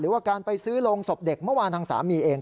ว่าการไปซื้อโรงศพเด็กเมื่อวานทางสามีเอง